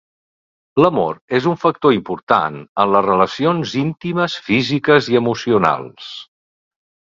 L'amor és un factor important en els relacions intimes físiques i emocionals.